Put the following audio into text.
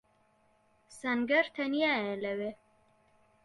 سەنگەر تەنیایە لەوێ.